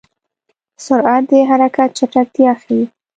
سرعت د حرکت چټکتیا ښيي.